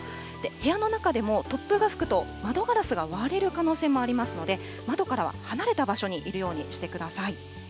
部屋の中でも、突風が吹くと、窓ガラスが割れる可能性もありますので、窓からは離れた場所にいるようにしてください。